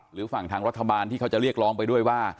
หรือฝั่งทางรัฐบาลที่เขาจะเรียกร้องไปด้วยว่า